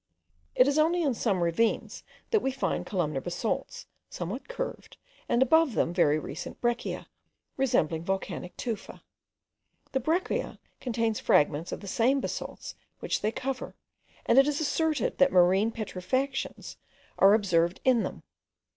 It is only in some ravines, that we find columnar basalts, somewhat curved, and above them very recent breccia, resembling volcanic tufa. The breccia contain fragments of the same basalts which they cover; and it is asserted that marine petrifactions are observed in them.